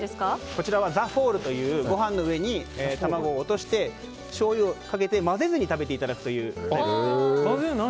こちらはザ・フォールというご飯の上に卵を落として、しょうゆをかけて混ぜずに食べていただくという。